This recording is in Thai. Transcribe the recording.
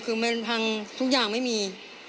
คือมันพังทุกอย่างไม่มี